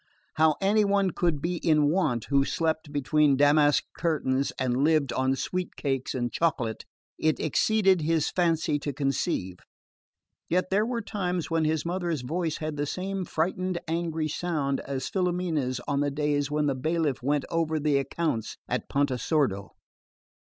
How any one could be in want, who slept between damask curtains and lived on sweet cakes and chocolate, it exceeded his fancy to conceive; yet there were times when his mother's voice had the same frightened angry sound as Filomena's on the days when the bailiff went over the accounts at Pontesordo.